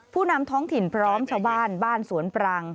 ผู้นำท้องถิ่นพร้อมชาวบ้านบ้านสวนปรัง